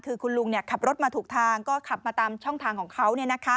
คือคุณลุงขับรถมาถูกทางก็ขับมาตามช่องทางของเขา